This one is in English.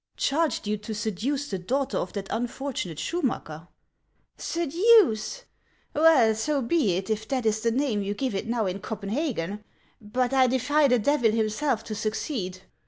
Charged you to seduce the daughter of that unfortunate Schumacker !"" Seduce ? Well, so be it, if that is the name you give it now in Copenhagen ; but I defy the Devil himself to suc ceed.